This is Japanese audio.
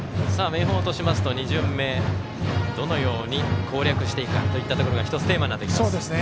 明豊としますと２巡目どのように攻略していくかといったところが１つテーマになってきます。